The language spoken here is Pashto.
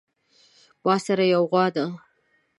ماسره يوه غوا ده